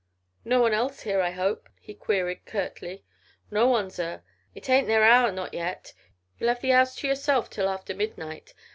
"No one else here, I hope," he queried curtly. "No one, zir. It ain't their hour not yet. You'll 'ave the 'ouse to yourself till after midnight.